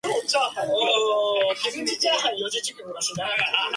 Pukyuchaw ultukunata rikamushun.